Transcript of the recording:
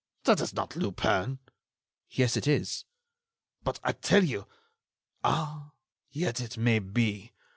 "That is not Lupin." "Yes, it is." "But I tell you.... Ah! yet, it may be.